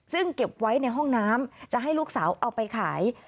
ซึ่งเก็บไว้ในห้องน้ำจะให้ลูกสาวเอาไปขาย